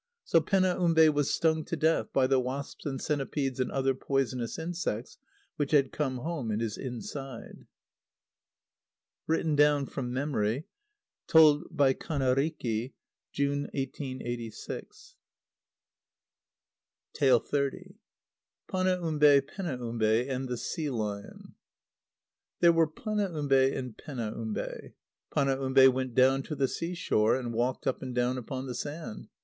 So Penaumbe was stung to death by the wasps and centipedes and other poisonous insects which had come home in his inside. (Written down from memory. Told by Kannariki, June, 1886.) xxx. Panaumbe, Penaumbe, and the Sea Lion. There were Panaumbe and Penaumbe. Panaumbe went down to the sea shore, and walked up and down upon the sand.